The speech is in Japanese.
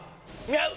合う！！